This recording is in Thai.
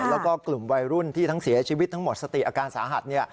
แล้วก็กลุ่มวัยรุ่นที่ทั้งเสียชีวิตทั้งหมดสติอาการสาหัส